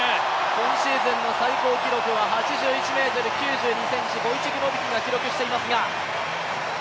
今シーズンの最高記録は８１ｍ９２ｃｍ、ノビキが記録していますが。